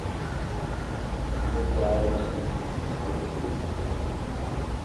Duo tahre na bigwo gyama be mimbvū na kugu.